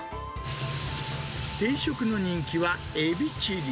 定食の人気はエビチリ。